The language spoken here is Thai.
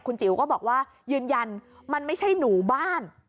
จิ๋วก็บอกว่ายืนยันมันไม่ใช่หนูบ้าน